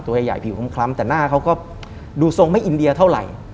ตัวใหญ่ผิวคล้ำแต่หน้าเขาก็ดูทรงไม่อินเดียเท่าไหร่